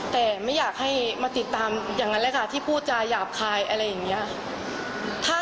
แต่ไม่อยากให้มาติดตามอย่างนั้นแหละค่ะที่พูดจาหยาบคายอะไรอย่างนี้